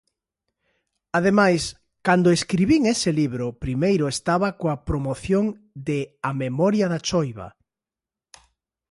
Ademais, cando escribín ese libro primeiro estaba coa promoción de A memoria da choiva.